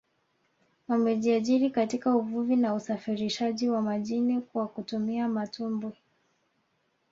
Wamejiajiri katika uvuvi na usafirishaji wa majini kwa kutumia mitumbwi